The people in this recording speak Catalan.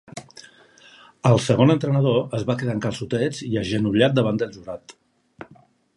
El segon entrenador es va quedar en calçotets i agenollat davant del jurat.